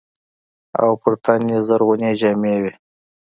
او پر تن يې زرغونې جامې وې.